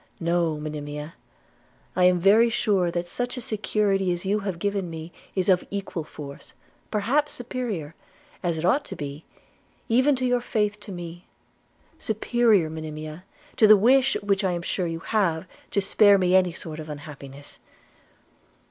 No, Monimia, I am very sure that such a security as you have given me is of equal force, perhaps superior, as it ought to be, even to your faith to me – superior, Monimia, to the wish which I am sure you have, to spare me any sort of unhappiness.'